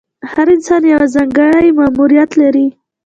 هر انسان یو ځانګړی ماموریت لري.